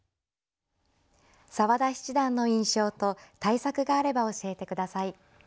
澤田七段の印象と対策があれば教えてください。